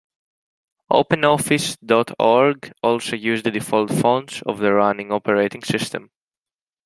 OpenOffice dot org also used the default fonts of the running operating system.